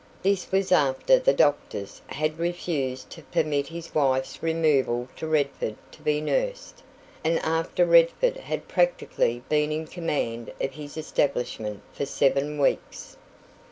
This was after the doctors had refused to permit his wife's removal to Redford to be nursed, and after Redford had practically been in command of his establishment for seven weeks.